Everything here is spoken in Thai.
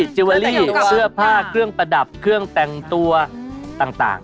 จิเวอรี่เสื้อผ้าเครื่องประดับเครื่องแต่งตัวต่าง